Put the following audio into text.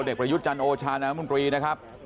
โทรเดกประยุทธ์จันทร์โอชานานมุมกรีนะครับ